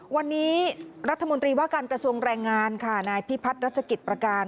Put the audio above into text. วันนี้รัฐมนตรีว่าการกระทรวงแรงงานค่ะนายพิพัฒน์รัชกิจประการ